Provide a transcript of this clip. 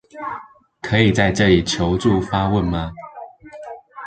可以在這裡求助發問嗎